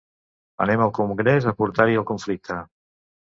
Anem al congrés a portar-hi el conflicte.